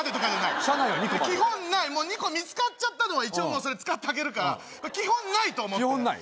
基本ない２個見つかっちゃったのは一応それ使ってあげるから基本ないと思って基本ない？